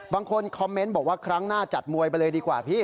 บางคนคอมเมนต์บอกว่าครั้งหน้าจัดมวยไปเลยดีกว่าพี่